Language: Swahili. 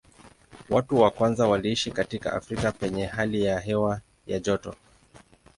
Watu wa kwanza waliishi katika Afrika penye hali ya hewa ya joto.